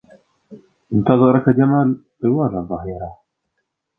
انتظرك جمال طوال الظهيرة.